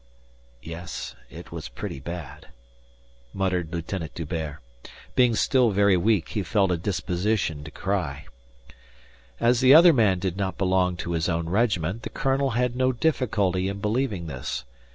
"Yes, it was pretty bad," muttered Lieutenant D'Hubert. Being still very weak, he felt a disposition to cry. As the other man did not belong to his own regiment the colonel had no difficulty in believing this.